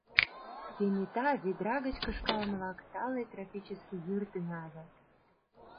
Кенета ведра гыч кышкалмылак тале тропический йӱр тӱҥале.